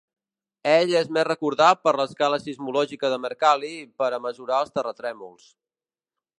Ell és més recordat per l'escala sismològica de Mercalli per a mesurar els terratrèmols.